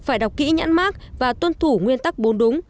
phải đọc kỹ nhãn mát và tuân thủ nguyên tắc bốn đúng